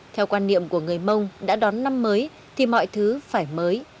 theo quan niệm của người mông đã đón năm mới thì mọi thứ phải mới